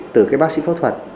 từ cái bác sĩ phẫu thuật